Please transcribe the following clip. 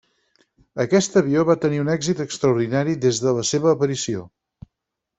Aquest avió va tenir un èxit extraordinari des de la seva aparició.